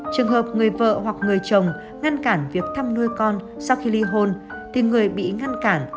trường hợp người vợ hoặc người chồng ngăn cản việc thăm nuôi con sau khi ly hôn thì người bị ngăn cản